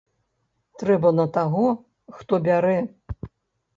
Трэба на таго, хто бярэ.